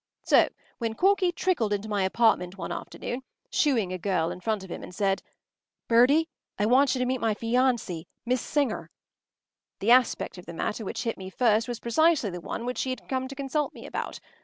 So when Corky trickled into my apartment one afternoon, shooing a girl in front of him, and said, “Bertie, I want you to meet my fiancée, Miss Singer,” the aspect of the matter which hit me first was precisely the one which he had come to consult me about.